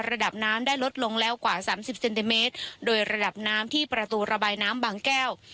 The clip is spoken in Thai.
ระดับน้ำได้ลดลงแล้วกว่าสามสิบเซนติเมตรโดยระดับน้ำที่ประตูระบายน้ำบางแก้ว